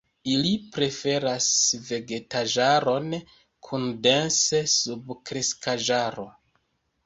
Ili preferas vegetaĵaron kun dense subkreskaĵaro.